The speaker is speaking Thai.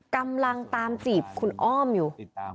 กำลังตามจีบคุณอ้อมอยู่